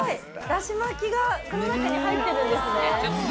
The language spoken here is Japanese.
だし巻きがこの中に入ってるんですね。ねぇ。